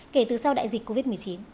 kể từ sau đại dịch covid một mươi chín